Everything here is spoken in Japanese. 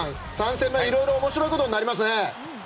３戦目はいろいろ面白いことになりますね。